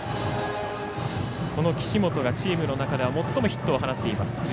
岸本がチームの中では最もヒットを放っています。